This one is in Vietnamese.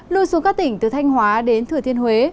lui xuống các tỉnh từ thanh hóa đến thừa thiên huế